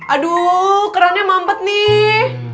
aduh kerannya mampet nih